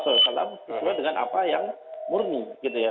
sesuai dengan apa yang murni gitu ya